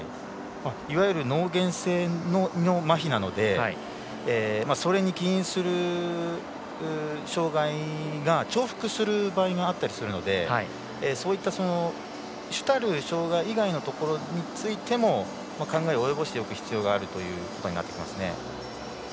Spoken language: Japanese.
いわゆる脳原性のまひなのでそれに起因する障がいが重複する場合があったりするのでそういった主たる障がい以外のところについても考えを及ぼしておく必要があるということになってきますね。